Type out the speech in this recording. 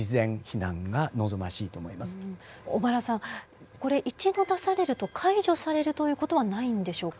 小原さんこれ一度出されると解除されるという事はないんでしょうか？